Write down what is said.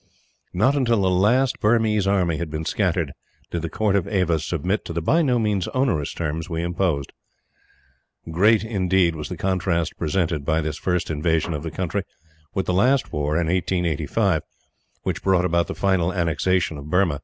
Not until the last Burmese army had been scattered did the court of Ava submit to the by no means onerous terms we imposed. Great, indeed, was the contrast presented by this first invasion of the country with the last war in 1885, which brought about the final annexation of Burma.